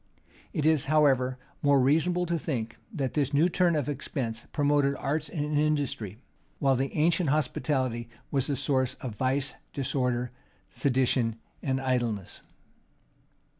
It is, however, more reasonable to think, that this new turn of expense promoted arts and industry; while the ancient hospitality was the source of vice, disorder, sedition, and idleness.